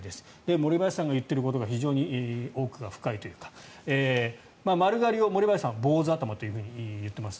森林さんが言っていることが非常に奥が深いというか丸刈りを森林さんは坊主頭と言っています。